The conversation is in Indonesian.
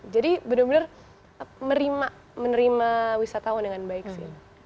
jadi benar benar menerima wisatawan dengan baik sih